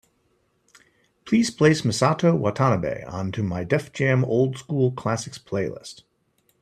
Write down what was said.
Please place Misato Watanabe onto my Def Jam Old School Classics playlist.